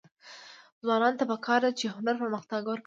ځوانانو ته پکار ده چې، هنر پرمختګ ورکړي.